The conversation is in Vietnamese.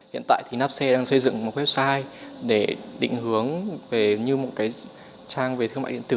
hiện tại thì napse đang xây dựng một website để định hướng về như một cái trang về thương mại điện tử